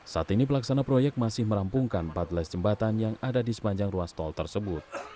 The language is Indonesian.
saat ini pelaksana proyek masih merampungkan empat belas jembatan yang ada di sepanjang ruas tol tersebut